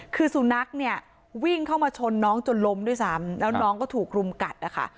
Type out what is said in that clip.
คือสุนัขเนี่ยวิ่งเข้ามาชนน้องจนล้มด้วยซ้ำแล้วน้องก็ถูกรุมกัดนะคะ